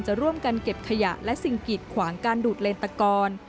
ร่วมกันเก็บขยะและสิ่งกีดขวางการดูดเลนตะกอน